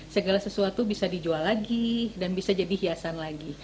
segala sesuatu bisa dijual lagi dan bisa jadi hiasan lagi